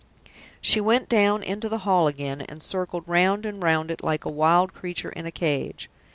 She went down into the hall again, and circled round and round it like a wild creature in a cage.